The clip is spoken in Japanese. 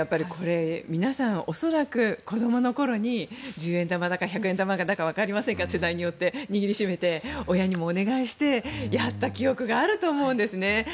皆さん恐らく子どもの頃に十円玉か百円玉かわかりませんが世代によって握りしめて親にもお願いしてやった記憶があると思うんですね。